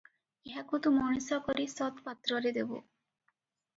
ଏହାକୁ ତୁ ମଣିଷ କରି ସତ୍ପାତ୍ରରେ ଦେବୁ ।